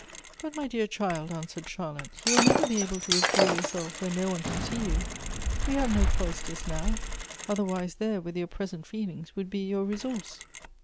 " But, my dear child," answered Charlotte, " you will never be able to withdraw yourself where no one can see you ; we have no cloisters now : otherwise, there, with your present feelings, would be your resource."